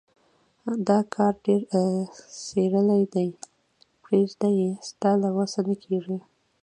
دا کار ډېر څيرلی دی. پرېږده يې؛ ستا له وسه نه کېږي.